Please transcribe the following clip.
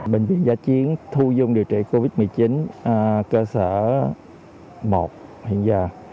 bệnh viện giã chiến thu dung điều trị covid một mươi chín cơ sở một hiện giờ